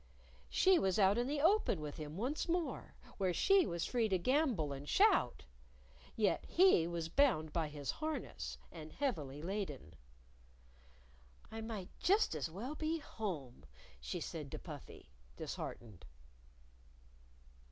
She was out in the open with him once more, where she was free to gambol and shout yet he was bound by his harness and heavily laden. "I might just as well be home," she said to Puffy, disheartened.